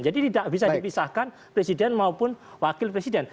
jadi tidak bisa dipisahkan presiden maupun wakil presiden